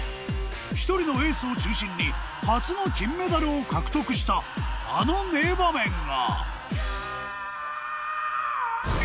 １人のエースを中心に初の金メダルを獲得したあの名場面が